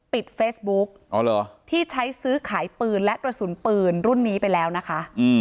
ปิดเฟซบุ๊กที่ใช้ซื้อขายปืนและกระสุนปืนรุ่นนี้ไปแล้วนะคะ